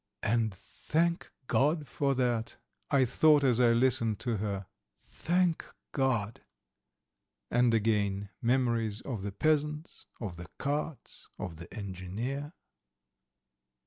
"And thank God for that," I thought as I listened to her. "Thank God." And again memories of the peasants, of the carts, of the engineer.